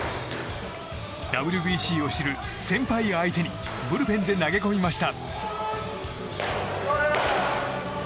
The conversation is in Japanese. ＷＢＣを知る先輩を相手にブルペンで投げ込みました。